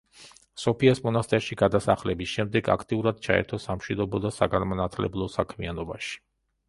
სოფიას მონასტერში გადასახლების შემდეგ აქტიურად ჩაერთო სამშვიდობო და საგანმანათლებლო საქმიანობაში.